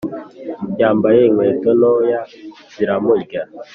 yambaye inkweto ntoya ziramurya